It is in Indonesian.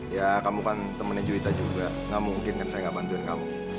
ya kamu kan temannya juwita juga gak mungkin kan saya gak bantuin kamu